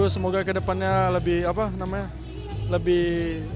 semoga ke depannya lebih